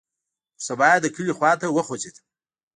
پر سبا يې د کلي خوا ته وخوځېدم.